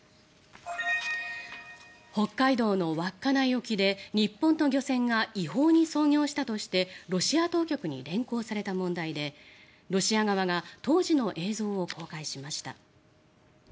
北海道の稚内沖で、日本の漁船が違法に操業したとしてロシア当局に連行された問題でロシア側が当時の映像を公開しました。